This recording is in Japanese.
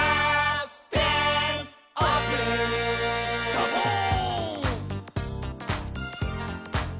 「サボーン！」